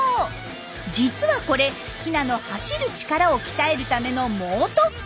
実はこれヒナの走る力を鍛えるための猛特訓。